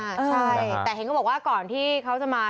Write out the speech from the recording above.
ใช่แต่เห็นก็บอกว่าก่อนที่เขาจะมา